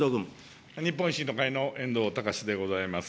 日本維新の会の遠藤敬でございます。